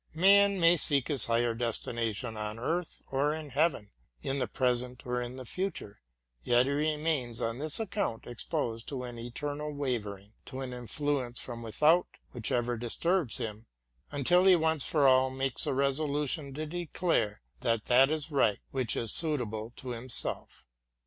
Man may seek his higher destination on earth or in heaven, in the present or in the future : he yet remains on this account exposed to an eternal wavering, to an influence from without which ever disturbs him, until he once for all makes a resolu tion to declare that that is right which is suitable to himself.